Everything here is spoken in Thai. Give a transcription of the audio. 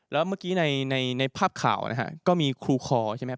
แล้วเมื่อกี้ในภาพข่าวนะฮะก็มีครูคอใช่ไหมครับ